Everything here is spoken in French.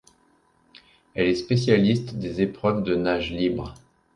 Elle est spécialiste des épreuves de nage libre.